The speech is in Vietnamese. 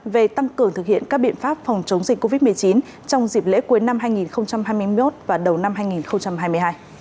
về tăng cường thực hiện các biện pháp phòng chống dịch covid một mươi chín trong dịp lễ cuối năm hai nghìn hai mươi một và đầu năm hai nghìn hai mươi hai